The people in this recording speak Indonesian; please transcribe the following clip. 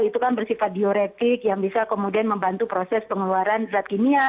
itu kan bersifat dioretik yang bisa kemudian membantu proses pengeluaran zat kimia